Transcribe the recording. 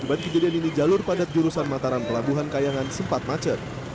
akibat kejadian ini jalur padat jurusan mataram pelabuhan kayangan sempat macet